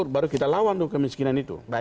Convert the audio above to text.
baru kita lawan tuh kemiskinan itu